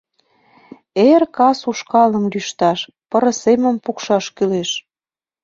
Эр-кас ушкалым лӱшташ, пырысемым пукшаш кӱлеш...